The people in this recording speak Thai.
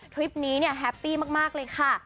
ทริปนี้แฮปปี้มากเลยค่ะ